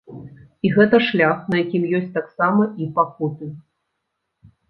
І гэта шлях, на якім ёсць таксама і пакуты.